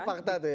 itu fakta tuh ya